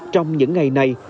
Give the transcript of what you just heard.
trong những ngày này